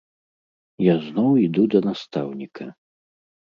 Я зноў іду да настаўніка.